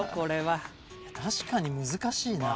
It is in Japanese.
確かに難しいな。